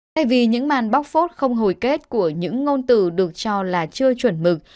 thay vì những màn bóc phốt không hồi kết của những ngôn tử được cho là chưa chuẩn mực